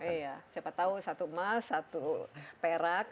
iya siapa tahu satu emas satu perak